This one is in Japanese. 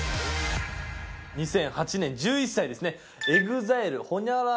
２００８年１１歳ですね。